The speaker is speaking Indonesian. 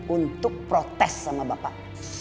untuk protes sama bapak